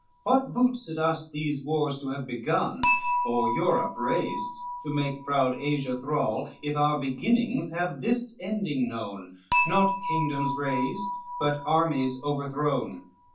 What boots it us there wares to have begun, Or Europe raised to make proud Asia thrall, If our beginnings have this ending known, Not kingdoms raised, but armies overthrown?